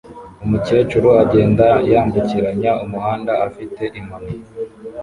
Umukecuru agenda yambukiranya umuhanda afite inkoni